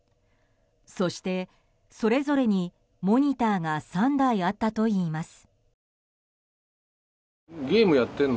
そして、それぞれにモニターが３台あったといいます。